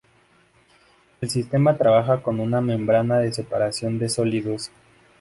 El sistema trabaja con una "membrana de Separación de Sólidos".